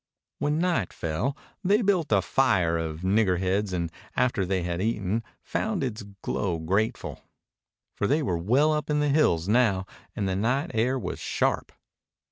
When night fell they built a fire of niggerheads and after they had eaten found its glow grateful. For they were well up in the hills now and the night air was sharp.